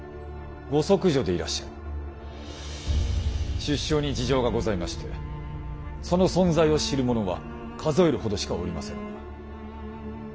出生に事情がございましてその存在を知る者は数えるほどしかおりませぬが。